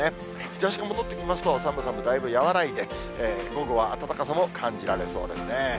日ざしが戻ってきますと、寒さもだいぶ和らいで、午後は暖かさも感じられそうですね。